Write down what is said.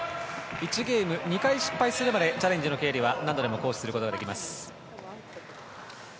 １ゲーム２回失敗するまでチャレンジの権利は何度でも行使することができます。